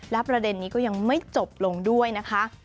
และประเด็นนี้ก็ยังไม่จบลงด้วยนะคะ